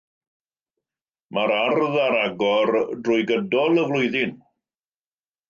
Mae'r ardd ar agor trwy gydol y flwyddyn.